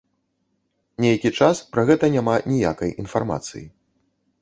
Нейкі час пра гэта няма ніякай інфармацыі.